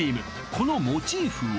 このモチーフは？